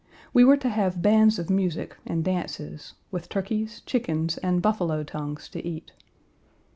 We were to have bands of music and dances, with turkeys, chickens, and buffalo tongues to eat.